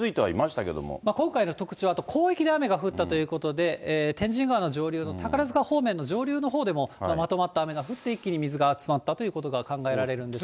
今回の特徴は、広域で雨が降ったということで、天神川の上流の宝塚方面の上流のほうでもまとまった雨が降って、一気に水が集まったということが考えられるんですが。